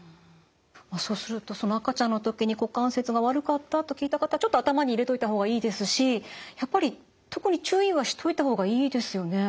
そうするとその赤ちゃんの時に股関節が悪かったと聞いた方ちょっと頭に入れておいた方がいいですしやっぱり特に注意はしておいた方がいいですよね。